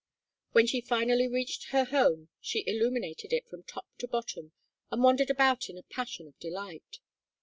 When she finally reached her home she illuminated it from top to bottom and wandered about in a passion of delight.